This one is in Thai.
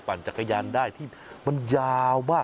ผ่านจักรยานได้ที่มันยาวบ้าง